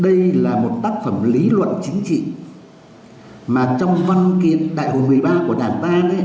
đây là một tác phẩm lý luận chính trị mà trong văn kiện đại hội một mươi ba của đảng ta